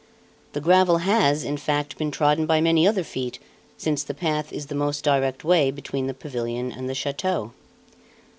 The gravel has, in fact, been trodden by many other feet, since the path is the most direct way between the pavilion and the chateau.